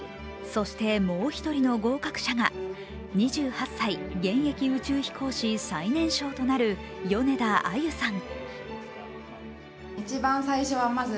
そしてもう１人の合格者が２８歳、現役宇宙飛行士最年少となる米田あゆさん。